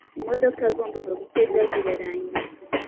imodoka yagombaga gutega zirarangira